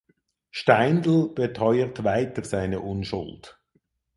Steindl beteuert weiter seine Unschuld.